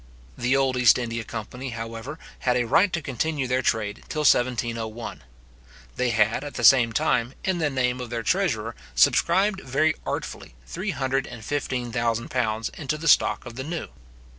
The old East India company, however, had a right to continue their trade till 1701. They had, at the same time, in the name of their treasurer, subscribed very artfully three hundred and fifteen thousand pounds into the stock of the new.